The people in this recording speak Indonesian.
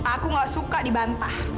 aku nggak suka dibantah